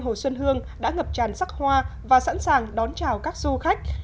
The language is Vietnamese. hồ xuân hương đã ngập tràn sắc hoa và sẵn sàng đón chào các du khách